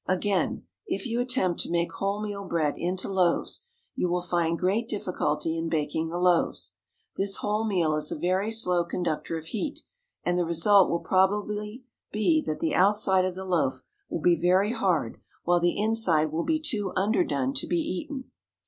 Again, if you attempt to make whole meal bread into loaves, you will find great difficulty in baking the loaves. This whole meal is a very slow conductor of heat, and the result will probably be that the outside of the loaf will be very hard while the inside will be too underdone to be eaten.